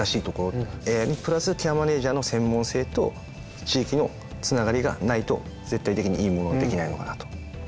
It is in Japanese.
ＡＩにプラスケアマネージャーの専門性と地域のつながりがないと絶対的にいいものはできないのかなと。